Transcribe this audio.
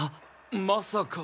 まさか。